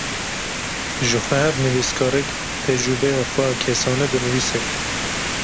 Jixwe her nivîskarek, tecrubeya xwe ya kesane dinivîse